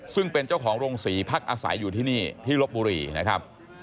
ซึ่งเป็นเจ้าของโรงศรีพักอาศัยอยู่ที่นี่ที่ลบบุรีนะครับ